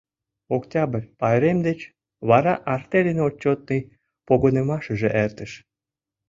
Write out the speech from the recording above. Октябрь пайрем деч вара артельын отчётный погынымашыже эртыш.